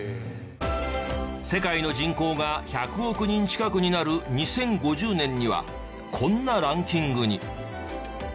世界の人口が１００億人近くになる２０５０年にはこんなランキングに。